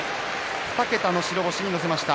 ２桁の白星に乗せました。